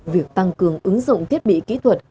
việc tăng cường ứng dụng thiết bị kỹ thuật